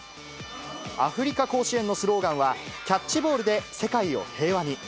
アフリカ甲子園のスローガンは、キャッチボールで世界を平和に。